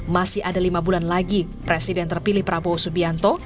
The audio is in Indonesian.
masih ada lima bulan lagi presiden terpilih prabowo subianto